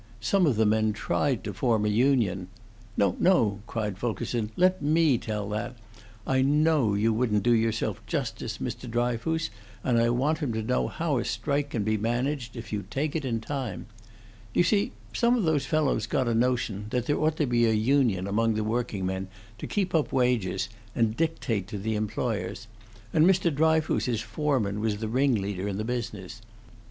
Some of the men tried to form a union " "No, no!" cried Fulkerson. "Let me tell that! I know you wouldn't do yourself justice, Mr. Dryfoos, and I want 'em to know how a strike can be managed, if you take it in time. You see, some of those fellows got a notion that there ought to be a union among the working men to keep up wages, and dictate to the employers, and Mr. Dryfoos's foreman was the ringleader in the business.